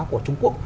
của trung quốc